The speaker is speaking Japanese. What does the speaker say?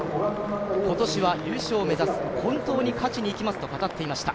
今年は優勝を目指す、本当に勝ちに行きますと語っていました。